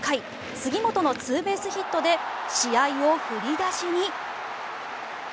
杉本のツーベースヒットで試合を振り出しに。